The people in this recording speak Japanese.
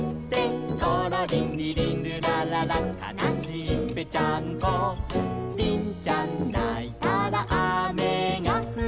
「りりんるらららかなしいぺっちゃんこ」「りんちゃんないたらあめがふる」